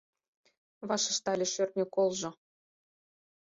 Вашештале шӧртньӧ колжо: